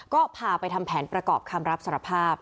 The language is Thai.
ก็พาไปทำแผนประกอบคำรับสารภาพ